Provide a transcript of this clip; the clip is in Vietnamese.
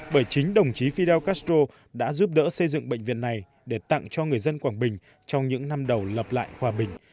bởi chính đồng chí fidel castro đã giúp đỡ xây dựng bệnh viện này để tặng cho người dân quảng bình trong những năm đầu lập lại hòa bình